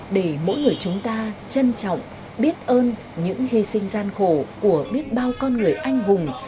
để mỗi người chúng ta trân trọng biết ơn những hy sinh gian khổ của biết bao con người anh hùng